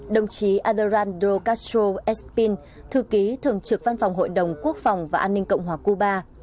đồng chí adelran drogastro espin thư ký thượng trực văn phòng hội đồng quốc phòng và an ninh cộng hòa cuba